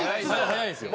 早いんですよ。